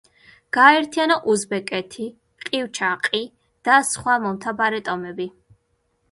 გააერთიანა უზბეკეთი, ყივჩაყი და სხვა მომთაბარე ტომები.